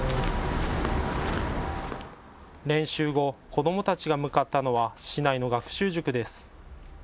練習後、子どもたちが向かったのは市内の学習塾です。